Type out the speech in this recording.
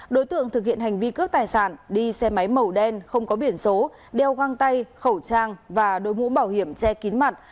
đối tượng thực hiện hành vi cướp tài sản đi xe máy màu đen không có biển số đeo găng tay khẩu trang và đội mũ bảo hiểm che kín mặt